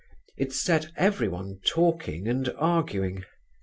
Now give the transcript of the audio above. It set everyone talking and arguing.